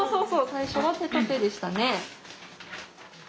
最初は手と手でしたね。